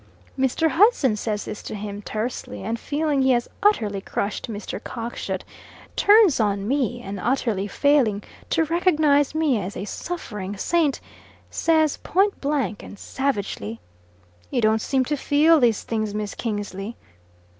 Mr. Hudson says this to him, tersely, and feeling he has utterly crushed Mr. Cockshut, turns on me, and utterly failing to recognise me as a suffering saint, says point blank and savagely, "You don't seem to feel these things, Miss Kingsley."